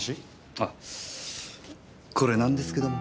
あこれなんですけども。